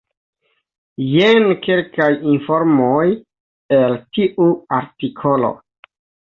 Jen kelkaj informoj el tiu artikolo.